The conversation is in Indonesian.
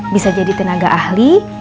bisa jadi tenaga ahli